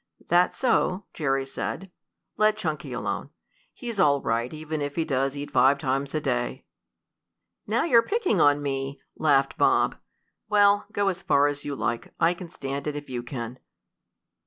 "That's so," Jerry said. "Let Chunky alone, Ned. He's all right, even if he does eat five times a day." "Now you're picking on me!" laughed Bob. "Well, go as far as you like, I can stand it if you can."